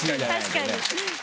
確かに。